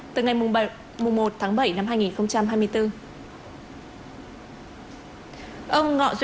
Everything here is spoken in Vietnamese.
từ ngày một tháng bảy năm hai nghìn hai mươi bốn